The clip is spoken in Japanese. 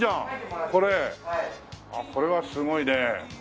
これはすごいね。